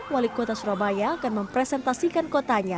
wali kota surabaya akan mempresentasikan kotanya